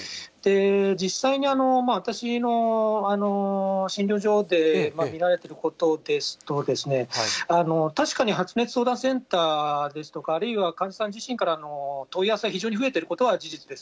実際に、私の診療所で見られてることですと、確かに発熱相談センターですとか、あるいは患者さん自身から問い合わせが非常に増えていることは事実です。